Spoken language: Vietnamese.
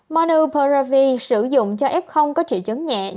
monoporavi sử dụng cho f có triệu chấn nhẹ